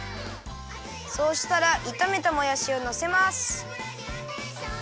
そうしたらいためたもやしをのせます。